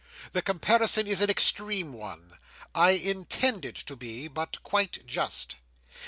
The comparison is an extreme one; I intend it to be so; but quite just.